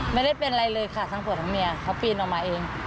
ไม่ได้เป็นอะไรเลยค่ะทั้งผัวทั้งเมียเขาปีนออกมาเอง